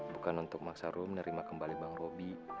bukan untuk maksa rum menerima kembali bang robi